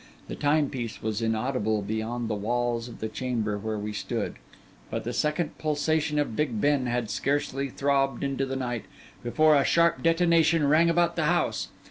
The timepiece was inaudible beyond the walls of the chamber where we stood; but the second pulsation of Big Ben had scarcely throbbed into the night, before a sharp detonation rang about the house.